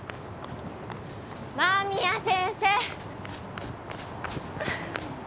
・間宮先生。